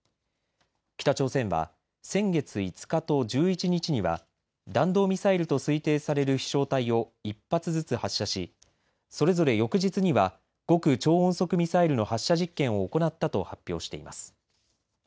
北朝鮮は先月５日と１１日には弾道ミサイルと推定される飛しょう体を１発ずつ発射しそれぞれ翌日には極超音速ミサイルの発射実験を行ったと発表しています。